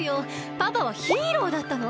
パパはヒーローだったの。